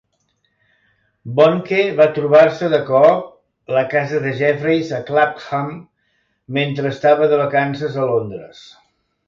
Bonnke va trobar-se de cop la casa de Jeffreys a Clapham mentre estava de vacances a Londres.